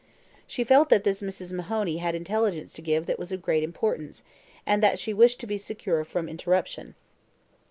She felt that this Mrs. Mahoney had intelligence to give that was of great importance, and that she wished to be secure from interruption.